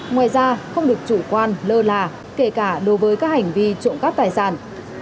ngoài ra không được chủ quan lơ là kể cả đối với các hành vi trộm cắp tài sản